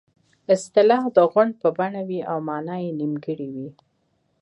اصطلاح د غونډ په بڼه وي او مانا یې نیمګړې وي